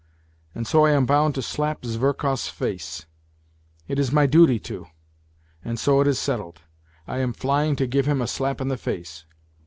And so I am bound to slap Zverkov's face ! It is my duty to. And so it is settled ; I am flying to give him a slap in the face.